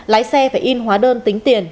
lái xe phải in hóa đơn tính tiền